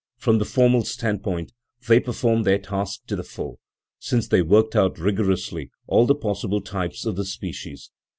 From the formal standpoint they performed their task to the full, since they worked out rigorously all the possible types of the species.